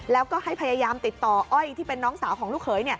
แล้วก็ให้พยายามติดต่ออ้อยที่เป็นน้องสาวของลูกเขย